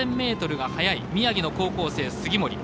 ３０００ｍが速い宮城の高校生、杉森。